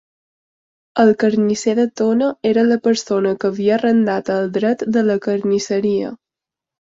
El carnisser de Tona era la persona que havia arrendat el dret de la carnisseria.